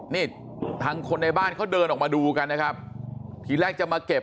นี่ทางคนในบ้านเขาเดินออกมาดูกันนะครับทีแรกจะมาเก็บ